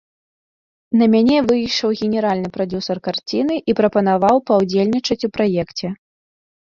На мяне выйшаў генеральны прадзюсар карціны і прапанаваў паўдзельнічаць у праекце.